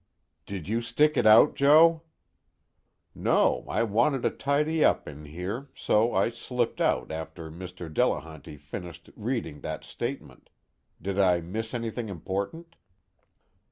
"Did you stick it out, Joe?" "No, I wanted to tidy up in here, so I slipped out after Mr. Delehanty finished reading that statement. Did I miss anything important?"